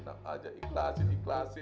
tidak tidak akan kembali lagi